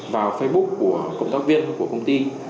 vào facebook của cộng tác viên của công ty